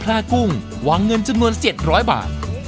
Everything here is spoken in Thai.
กุ้งวางเงินจำนวน๗๐๐บาท